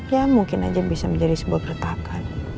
ya mungkin aja bisa menjadi sebuah keretakan